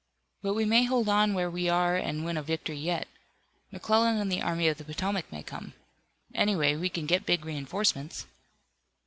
"But we may hold on where we are and win a victory yet. McClellan and the Army of the Potomac may come. Anyway, we can get big reinforcements."